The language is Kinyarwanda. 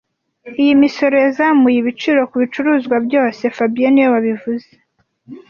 Iyi misoro yazamuye ibiciro kubicuruzwa byose fabien niwe wabivuze